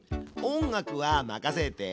音楽は任せて。